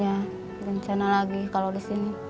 ya rencana lagi kalau di sini